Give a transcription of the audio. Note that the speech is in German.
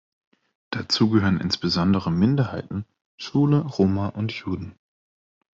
Dazu gehören insbesondere Minderheiten, Schwule, Roma und Juden.